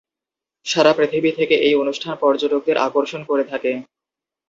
সারা পৃথিবী থেকে এই অনুষ্ঠান পর্যটকদের আকর্ষণ করে থাকে।